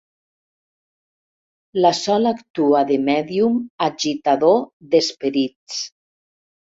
La Sol actua de mèdium agitador d'esperits.